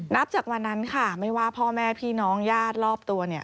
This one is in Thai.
นับจากวันนั้นค่ะไม่ว่าพ่อแม่พี่น้องญาติรอบตัวเนี่ย